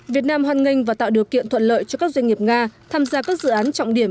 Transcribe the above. việt nam hoan nghênh và tạo điều kiện thuận lợi cho các doanh nghiệp nga tham gia các dự án trọng điểm